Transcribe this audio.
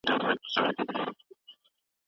منظمه منډه یاد ښه کوي.